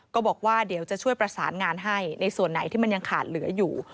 ก็บอกว่าเดี๋ยวจะช่วยประสานงานให้ในส่วนไหนที่มันยังขาดเหลืออยู่